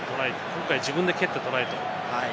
今回、自分で蹴った球をトライ。